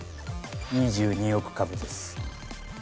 ２２億株です